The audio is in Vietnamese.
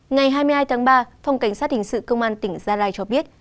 ngày hai mươi hai tháng ba phòng cảnh sát hình sự công an tỉnh gia lai cho biết